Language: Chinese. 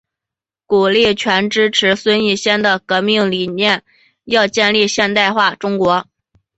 古全力支持孙逸仙的革命理念要建立现代化中国。